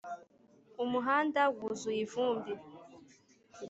umuhanda wuzuye ivumbi.